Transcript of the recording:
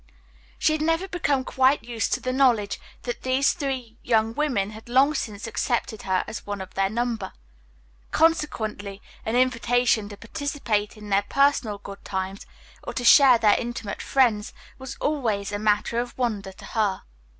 She had never become quite used to the knowledge that these three young women had long since accepted her as one of their number. Consequently an invitation to participate in their personal good times or to share their intimate friends was always a matter of wonder to her.